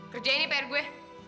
kerjain nih pr gue